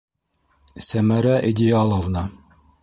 Сәмәрә Идеаловна...